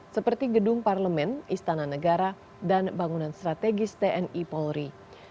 seperti gedung parlemen istana negara dan bangunan strategis tni polri